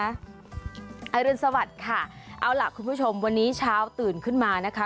อารุณสวัสดิ์ค่ะเอาล่ะคุณผู้ชมวันนี้เช้าตื่นขึ้นมานะคะ